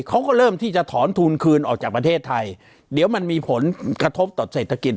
เขาก็เริ่มที่จะถอนทุนคืนออกจากประเทศไทยเดี๋ยวมันมีผลกระทบต่อเศรษฐกิจ